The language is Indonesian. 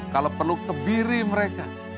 kalau perlu kebiri mereka